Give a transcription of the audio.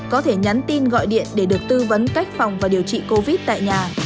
có thể nhắn tin gọi điện để được tư vấn cách phòng và điều trị covid tại nhà